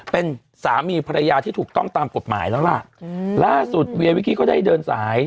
เป็นสามีภรรยาที่ถูกต้องตามกฎหมายแล้วล่ะอืมล่าสุดเวียวิกี้ก็ได้เดินสาย